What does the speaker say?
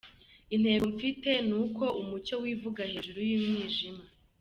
Intego mfite ni uko umucyo wivuga hejuru yumwijima